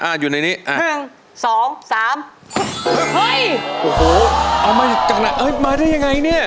อ่าอยู่ในนี้อ่า๑๒๓เฮ้ยโอ้โฮเอามาได้กันละเอ้ยมาได้อย่างไรนี่